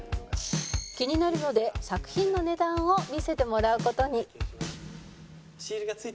気になるので作品の値段を見せてもらう事に